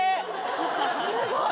すごい！